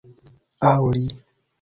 Aŭ li